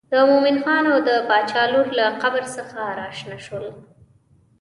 د مومن خان او د باچا لور له قبر څخه راشنه شول.